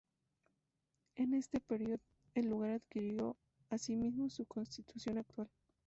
En este period el lugar adquirió asimismo su constitución actual.